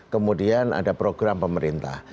kemudian ada program pemerintah